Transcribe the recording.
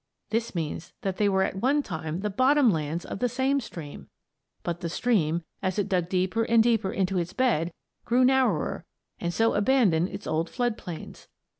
This means that they were at one time the bottom lands of that same stream, but the stream, as it dug deeper and deeper into its bed, grew narrower, and so abandoned its old flood plains.